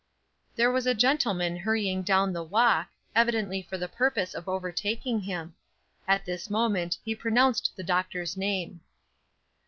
There was a gentleman hurrying down the walk, evidently for the purpose of overtaking him. At this moment he pronounced the doctor's name.